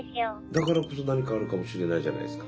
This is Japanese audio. だからこそ何かあるかもしれないじゃないですか。